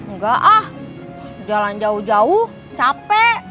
nggak ah jalan jauh jauh cape